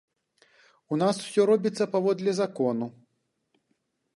У нас усё робіцца паводле закону.